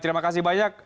terima kasih banyak